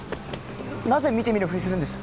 なぜ見て見ぬふりするんです？